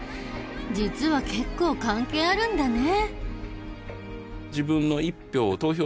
実は結構関係あるんだね。